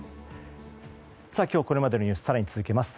今日これまでのニュースを更に続けます。